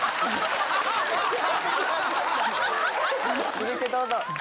続いてどうぞ。